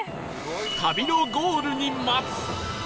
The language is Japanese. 旅のゴールに待つ